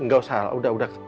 gak usah udah udah